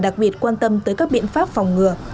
đặc biệt quan tâm tới các biện pháp phòng ngừa